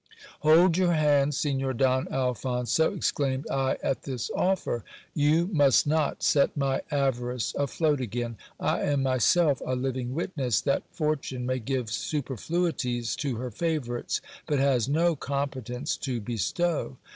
Hold your hand, Signor Don Alphonso ! exclaimed I at this offer. You must not set my avarice afloat again. I am myself a living witness, that fortune may give superfluities to her favourites, but has no competence to be stow.